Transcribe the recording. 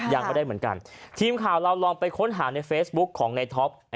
ยังไม่ได้เหมือนกันทีมข่าวเราลองไปค้นหาในเฟซบุ๊กของในท็อป